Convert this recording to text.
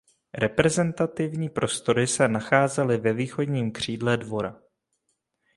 Reprezentativní prostory se nacházely ve východním křídle dvora.